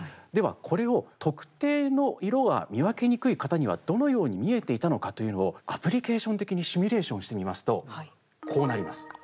ではこれを特定の色は見分けにくい方にはどのように見えていたのかというのをアプリケーション的にシミュレーションしてみますとこうなります。